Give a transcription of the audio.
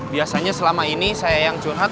biasanya selama ini saya yang curhat